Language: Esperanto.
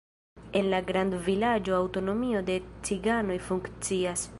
En la grandvilaĝo aŭtonomio de ciganoj funkcias.